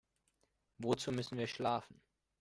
Wozu müssen wir schlafen?